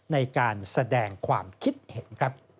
ในการแสดงความคิดเห็นครับ